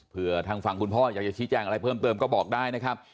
เพื่อทางฝั่งคุณพ่ออยากจะชี้แจงอะไรเพิ่มเติมก็บอกได้นะครับ